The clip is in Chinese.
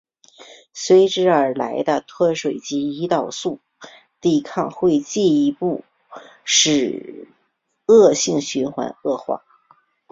随之而来的脱水及胰岛素抵抗会进一步使恶性循环恶化。